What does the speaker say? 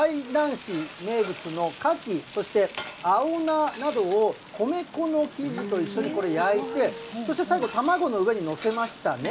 市名物のカキ、そして青菜などを米粉の生地と一緒にこれ、焼いて、そして、最後、卵の上に載せましたね。